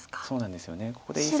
そうなんですよね。